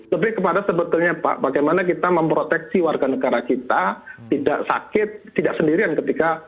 lebih kepada sebetulnya pak bagaimana kita memproteksi warga negara kita tidak sakit tidak sendirian ketika